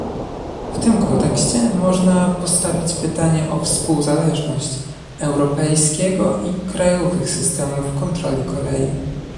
W tym kontekście można postawić pytanie o współzależność europejskiego i krajowych systemów kontroli kolei